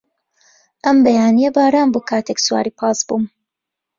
ئەم بەیانییە باران بوو کاتێک سواری پاس بووم.